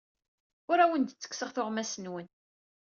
Ur awen-d-ttekkseɣ tuɣmas-nwen.